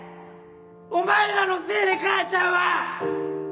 お前らのせいで母ちゃんは！